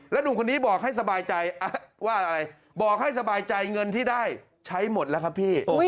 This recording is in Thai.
แล้วหนุ่มคนนี้บอกให้สบายใจเงินที่ได้ใช้หมดแล้วครับพี่